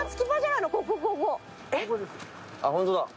あっホントだ。